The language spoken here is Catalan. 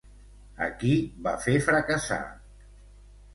A qui va fer fracassar?